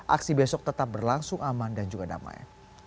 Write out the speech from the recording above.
aksi besok tetap berlangsung aman dan juga damai